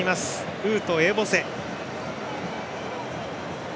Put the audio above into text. ウーとエボセ。